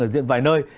ở diện vài nơi